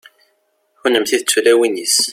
kunemti d tulawin-is